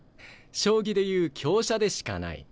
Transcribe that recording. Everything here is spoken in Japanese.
将棋で言う香車でしかない。